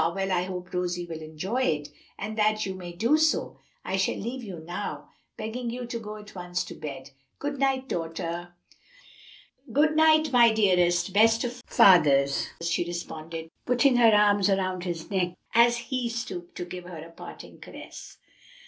well I hope Rosie will enjoy it. And that you may do so, I shall leave you now, begging you to go at once to bed. Good night, daughter." "Good night, my dearest, best of fathers," she responded, putting her arms round his neck as he stooped to give her a parting caress.